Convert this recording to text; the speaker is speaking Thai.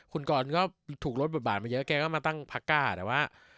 คุณกรก็ถูกลดบทบาทมาเยอะแกก็มาตั้งพักก้าแต่ว่า